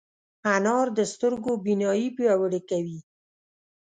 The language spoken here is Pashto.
انار د سترګو بینايي پیاوړې کوي.